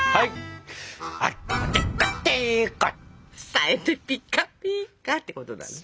さえてピカピカってことだね。